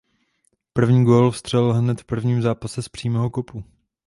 První gól vstřelil hned v prvním zápase z přímého kopu.